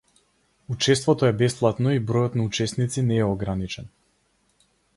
Учеството е бесплатно и бројот на учесници не е ограничен.